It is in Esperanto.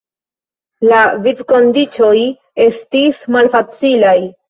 La vivkondiĉoj estis malfacilaj.